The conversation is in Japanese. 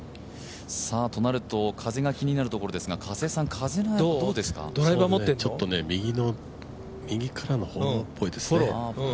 となると、風が気になるところですが、ドライバー持ってんの？右からのフォローっぽいですね。